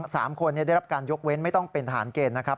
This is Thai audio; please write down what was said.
สามคนได้รับการยกเว้นไม่ต้องเป็นทหารเกณฑ์นะครับ